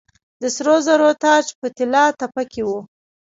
د سرو زرو تاج په طلا تپه کې و